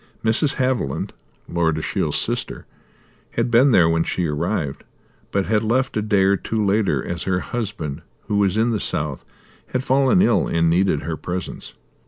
Mrs. Haviland, Lord Ashiel's sister, had been there when she arrived, but had left a day or two later as her husband, who was in the south, had fallen ill and needed her presence.